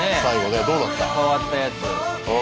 ねっ変わったやつ。